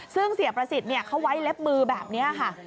ซึ่งเสียประสิทธิ์เขาไว้เล็บมือแบบนี้ค่ะ